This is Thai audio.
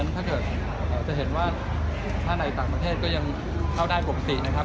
ถ้าเกิดจะเห็นว่าถ้าในต่างประเทศก็ยังเข้าได้ปกตินะครับ